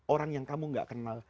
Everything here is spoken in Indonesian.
orang yang kamu gak kenal